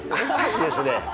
いいですね。